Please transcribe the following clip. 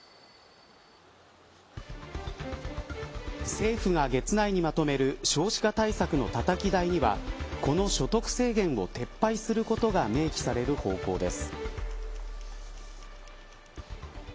政府が月内にまとめる少子化対策のたたき台にはこの所得制限を撤廃することが明記される方向です。